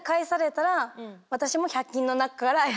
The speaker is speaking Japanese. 私も。